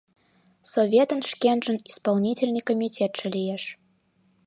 Советын шкенжын исполнительный комитетше лиеш.